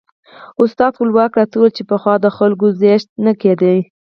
استاد خپلواک راته ویل چې پخوا د خلکو ځایښت نه کېده.